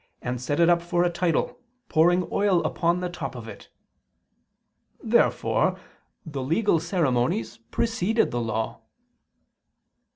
and set it up for a title, pouring oil upon the top of it." Therefore the legal ceremonies preceded the Law.